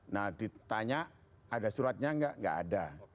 nah ditanya ada suratnya nggak ada